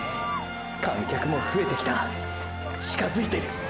観客も増えてきた近づいてるゴールが！！